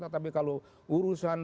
tapi kalau urusan